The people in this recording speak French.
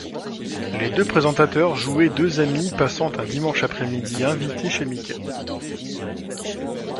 Les deux présentateurs jouaient deux amis passant un dimanche après-midi invités chez Mickey.